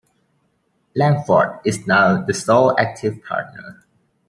Langford is now the sole active partner.